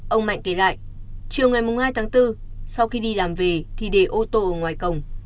ông mạnh kể lại chiều ngày hai tháng bốn sau khi đi làm về thì đều